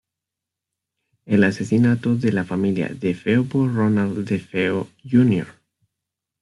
El asesinato de la familia DeFeo por Ronald DeFeo, Jr.